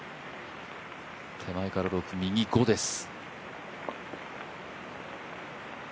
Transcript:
手前から６、右５です。